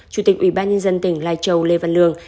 chủ tịch ubnd tỉnh lai châu lê văn lương